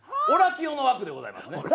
オラキオの枠でございますね。